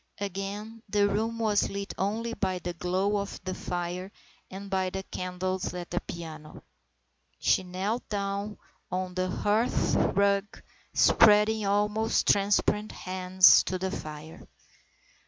Again the room was lit only by the glow of the fire and by the candles at the piano. She knelt down on the hearth rug, spreading almost transparent hands to the fire.